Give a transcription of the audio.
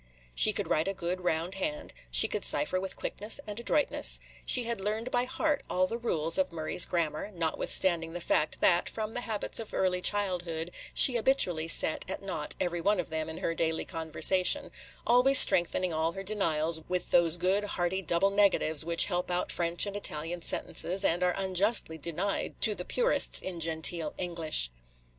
She could write a good, round hand; she could cipher with quickness and adroitness; she had learned by heart all the rules of Murray's Grammar, notwithstanding the fact that, from the habits of early childhood, she habitually set at naught every one of them in her daily conversation, – always strengthening all her denials with those good, hearty double negatives which help out French and Italian sentences, and are unjustly denied to the purists in genteel English.